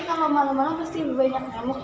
kalau malam malam pasti banyak yang jamuk